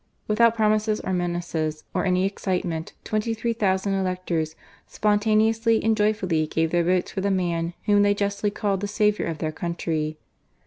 Without promises or menaces or any excite ment, twenty three thousand electors spontaneously ' and joyfully gave their votes for the man whom they justly called the saviour of their country.